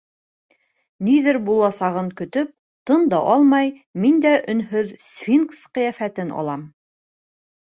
Ниҙер буласағын көтөп, тын да алмай, мин дә өнһөҙ сфинкс ҡиәфәтен алам.